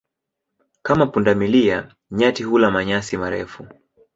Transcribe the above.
Kama punda milia, nyati hula manyasi marefu.